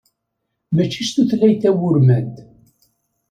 Mačči s tutlayt tawurmant.